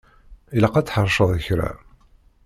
Ilaq ad tḥerceḍ kra.